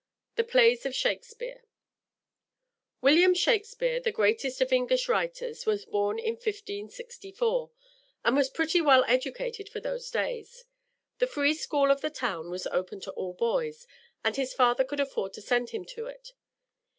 THE PLAYS OF SHAKESPEARE _William Shakespeare, the greatest of English writers, was born in 1564, and was pretty well educated for those days. The free school of the town was open to all boys, and his father could afford to send him to it.